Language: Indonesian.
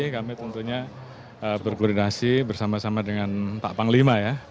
kami tentunya berkoordinasi bersama sama dengan pak panglima ya